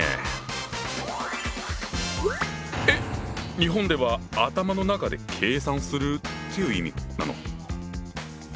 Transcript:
日本では「頭の中で計算する」という意味なの？